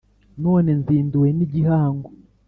none nzinduwe n’igihango